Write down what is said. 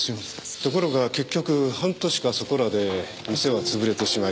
ところが結局半年かそこらで店はつぶれてしまい